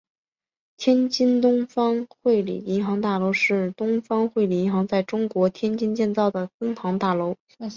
天津东方汇理银行大楼是东方汇理银行在中国天津建造的分行大楼。